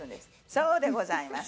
そうでございます。